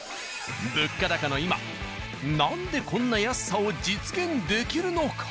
物価高の今何でこんな安さを実現できるのか。